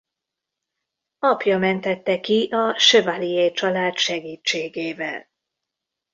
Apja mentette ki a Chevalier család segítségével.